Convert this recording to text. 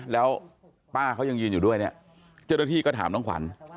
แล้วป้าเขายังยืนอยู่ด้วยเนี่ยเจ้าหน้าที่ก็ถามน้องขวัญ